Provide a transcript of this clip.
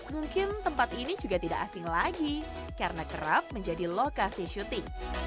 mungkin tempat ini juga tidak asing lagi karena kerap menjadi lokasi syuting